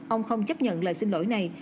ông không chấp nhận lời xin lỗi này